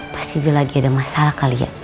pasti dia lagi ada masalah kali ya